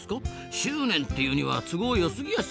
執念っていうには都合よすぎやしません？